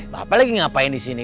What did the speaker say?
bapak lagi ngapain disini